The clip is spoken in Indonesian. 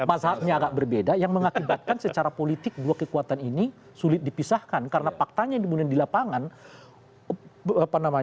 mazhabnya agak berbeda yang mengakibatkan secara politik dua kekuatan ini sulit dipisahkan karena faktanya di lapangan